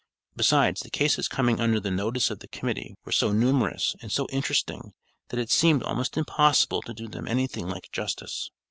Besides, the cases coming under the notice of the Committee, were so numerous and so interesting, that it seemed almost impossible to do them anything like justice.